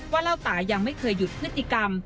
เล่าตายังไม่เคยหยุดพฤติกรรม